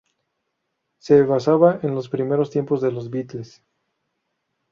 Se basaba en los primeros tiempos de los Beatles.